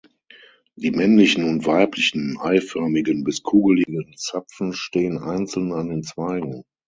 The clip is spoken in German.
Die männlichen und weiblichen, eiförmigen bis kugeligen Zapfen stehen einzeln an den Zweigen.